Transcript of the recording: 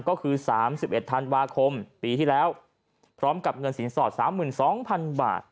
ก็คือ๓๑ธันวาคมปีที่แล้วพร้อมกับเงินสินสอด๓๒๐๐๐บาท